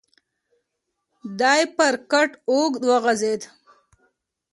دی پر کټ اوږد وغځېد.